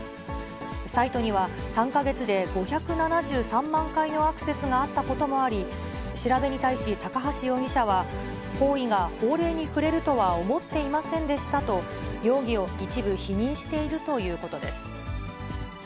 サイトには、３か月で５７３万回のアクセスがあったこともあり、調べに対し高橋容疑者は、行為が法令に触れるとは思っていませんでしたと、容疑を一部否認しているということです。